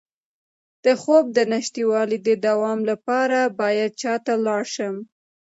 د خوب د نشتوالي د دوام لپاره باید چا ته لاړ شم؟